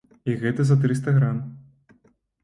І гэта за трыста грам.